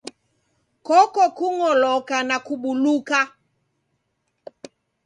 Koko kung'oloka na kubuluka.